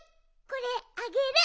これあげる。